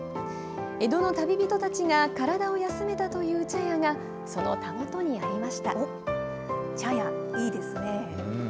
江戸の旅人たちが体を休めたという茶屋が、そのたもとにありまし茶屋、いいですね。